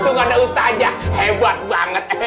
untung ada ustazah hebat banget